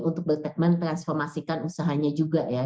untuk bertekmen transformasikan usahanya juga ya